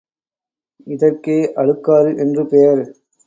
இதற்கே அழுக்காறு என்று பெயர்.